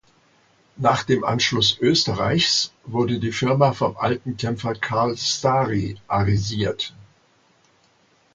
Nach dem Anschluss Österreichs wurde die Firma vom Alten Kämpfer Karl Stary arisiert.